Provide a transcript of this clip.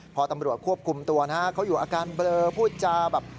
พอตำรวจควบคุมตัวนะฮะเขาอยู่อาการเบลอพูดจาแบบ